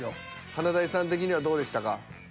華大さん的にはどうでしたか？